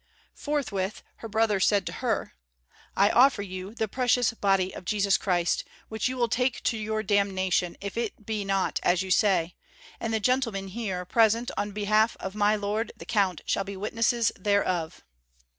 Forthwith her brother said to her "I offer you the precious Body of Jesus Christ, which you will take to your damnation if it be not as you say; and the gentlemen here present on behalf of my lord the Count shall be witnesses thereof."